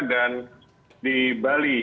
dan di bali